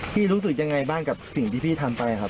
รู้สึกยังไงบ้างกับสิ่งที่พี่ทำไปครับ